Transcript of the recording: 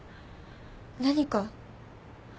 何か？